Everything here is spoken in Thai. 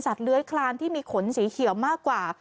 เลื้อยคลานที่มีขนสีเขียวมากกว่า